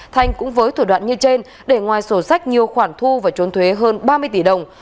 thanh cũng với thủ đoạn như trên để ngoài sổ sách nhiều khoản thu và trốn thuế hơn ba mươi tỷ đồng